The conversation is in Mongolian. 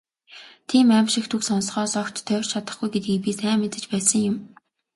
Тийм «аймшигт» үг сонсохоос огт тойрч чадахгүй гэдгийг би сайн мэдэж байсан юм.